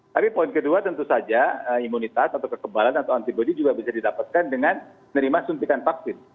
tapi poin kedua tentu saja imunitas atau kekebalan atau antibody juga bisa didapatkan dengan menerima suntikan vaksin